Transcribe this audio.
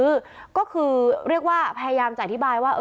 เป็นแล้วก็คือเรียกว่าพยายามจะอธิบายว่า